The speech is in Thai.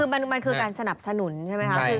มันคือการสนับสนุนใช่ไหมคะ